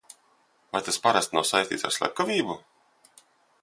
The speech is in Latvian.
Vai tas parasti nav saistīts ar slepkavību?